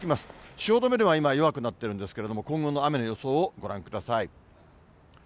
汐留では今、弱くなってるんですけども、今後の雨の予想をご覧ください。